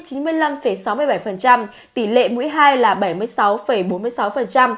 tỷ lệ mũi hai là bảy mươi sáu bốn mươi sáu